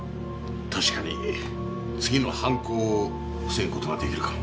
確かに次の犯行を防ぐ事が出来るかも。